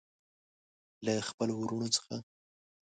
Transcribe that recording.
له خپلو وروڼو څخه.